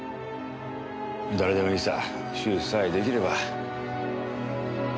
誰でもいいさ手術さえ出来れば。